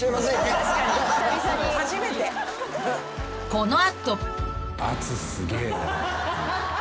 ［この後］